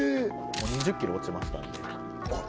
もう２０ｋｇ落ちましたんであっ